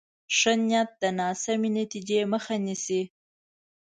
ښه نیت د ناسمې نتیجې مخه نیسي.